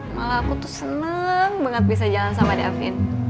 malah aku tuh seneng banget bisa jalan sama diavin